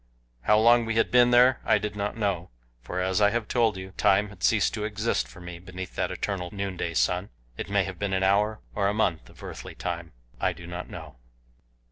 How long we had been there I did not know, for as I have told you, time had ceased to exist for me beneath that eternal noonday sun it may have been an hour, or a month of earthly time; I do not know.